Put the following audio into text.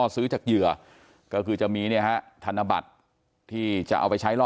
ซื้อจากเหยื่อก็คือจะมีเนี่ยฮะธนบัตรที่จะเอาไปใช้ล่อ